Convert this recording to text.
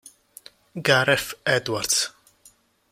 Gareth Edwards